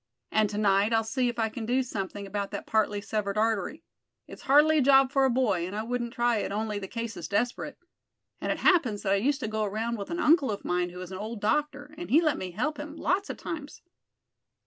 "And to night I'll see if I can do something about that partly severed artery. It's hardly a job for a boy, and I wouldn't try it only the case is desperate. And it happens that I used to go around with an uncle of mine who was an old doctor, and he let me help him lots of times."